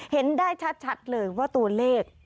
เห็นได้ชัดเลยว่าตัวเลข